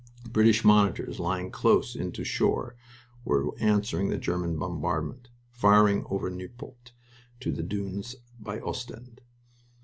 British monitors lying close into shore were answering the German bombardment, firing over Nieuport to the dunes by Ostend.